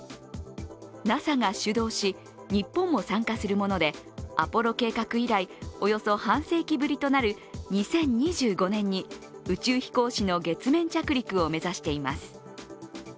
ＮＡＳＡが主導し、日本も参加するものでアポロ計画以来、およそ半世紀ぶりとなる２０２５年に宇宙飛行士の月面着陸を目指しています。